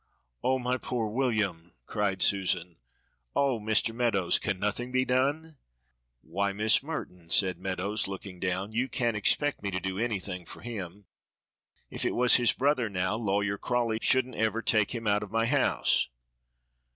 "Oh! my poor William!" cried Susan. "Oh! Mr. Meadows, can nothing be done?" "Why, Miss Merton," said Meadows, looking down, "you can't expect me to do anything for him. If it was his brother now, Lawyer Crawley shouldn't ever take him out of my house."